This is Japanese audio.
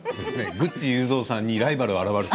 グッチ裕三さんにライバルが現れた。